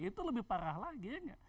itu lebih parah lagi